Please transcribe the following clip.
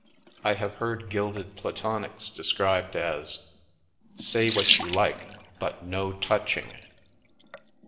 I have heard gilded platonics described as " Say what you like, but no touching